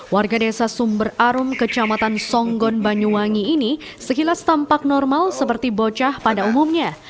warga desa sumber arum kecamatan songgon banyuwangi ini sekilas tampak normal seperti bocah pada umumnya